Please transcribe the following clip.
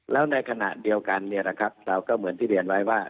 และในขณะเดียวกันเนี่ยเราก็เหมือนเรียนว่า